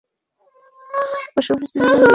পাশাপাশি সিনেমা নিয়ে তো কথা হলোই।